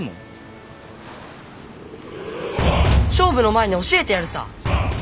勝負の前に教えてやるさ。